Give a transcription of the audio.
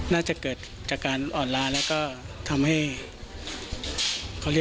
น่าจะเกิดจากการอ่อนลาแล้วก็ทำให้